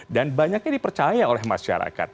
dan banyaknya dipercaya oleh masyarakat